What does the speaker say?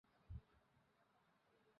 আমার মাথায় একটা টিউমারের মত দলা পেকে আছে।